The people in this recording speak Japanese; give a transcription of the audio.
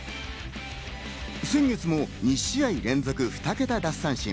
先月も２試合連続２桁奪三振。